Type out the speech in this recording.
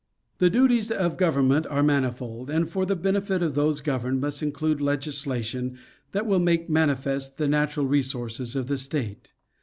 The duties of government are manifold, and for the benefit of those governed must include legislation that will make manifest the natural resources of the State.